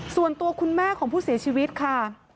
ส่วนตัวคุณแม่ของผู้เสียชีวิตค่ะ